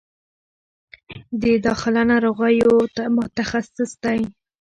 د داخله ناروغیو متخصص دی